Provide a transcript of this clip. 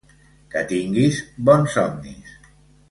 Qui tinguis bons somnis.